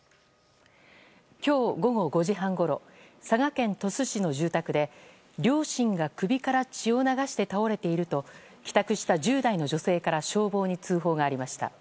今日午後５時半ごろ佐賀県鳥栖市の住宅で両親が首から血を流して倒れていると帰宅した１０代の女性から消防に通報がありました。